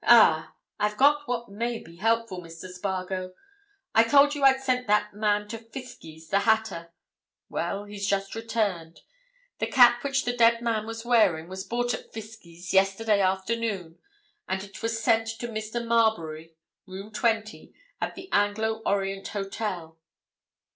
"Ah!—I've got what may be helpful, Mr. Spargo. I told you I'd sent a man to Fiskie's, the hatter! Well, he's just returned. The cap which the dead man was wearing was bought at Fiskie's yesterday afternoon, and it was sent to Mr. Marbury, Room 20, at the Anglo Orient Hotel."